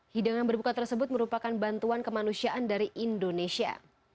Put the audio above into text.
hidangan berbuka tersebut merupakan bantuan kemanusiaan dari indonesia